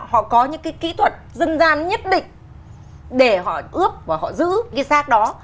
họ có những cái kỹ thuật dân gian nhất định để họ ướp và họ giữ cái xác đó